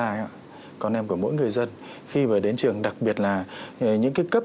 để cho con em của chúng ta con em của mỗi người dân khi mà đến trường đặc biệt là những cái cấp